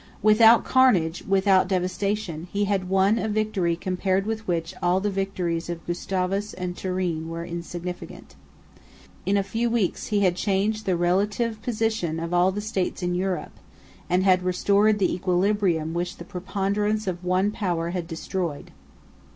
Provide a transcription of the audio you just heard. Without carnage, without devastation, he had won a victory compared with which all the victories of Gustavus and Turenne were insignificant. In a few weeks he had changed the relative position of all the states in Europe, and had restored the equilibrium which the preponderance of one power had destroyed.